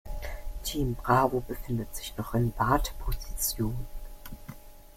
Team Bravo befindet sich noch in Warteposition.